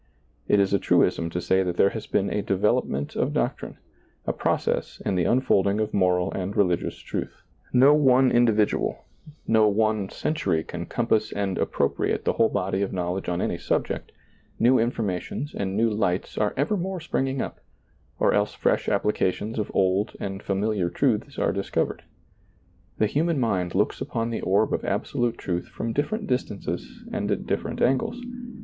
It is a truism to say that there has been a development of doctrine, a process in the un folding of moral and religious truth. No one individual, no one century can compass and ap propriate the whole body of knowledge on any subject; new informations and new lights are ^lailizccbvGoOgle 30 SEEING DARKLY evermore springing up, or else fresh applications of old and familiar truths are discovered. The human mind looks upon the orb of absolute truth from different distances and at different angles.